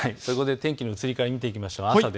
天気の移り変わりを見ていきましょう。